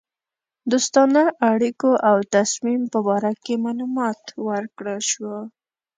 دوستانه اړېکو او تصمیم په باره کې معلومات ورکړه شوه.